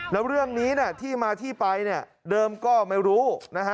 แล้วเรื่องนี้ที่มาที่ไปเดิมก็ไม่รู้